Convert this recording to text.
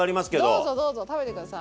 どうぞどうぞ食べて下さい。